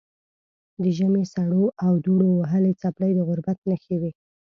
د ژمي سړو او دوړو وهلې څپلۍ د غربت نښې وې.